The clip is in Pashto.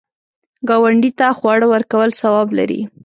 ګاونډي ته خواړه ورکول ثواب لري